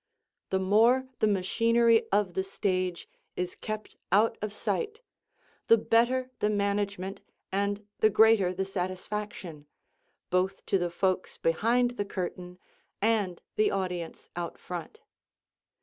The more the machinery of the stage is kept out of sight, the better the management and the greater the satisfaction, both to the folks behind the curtain and the audience out front.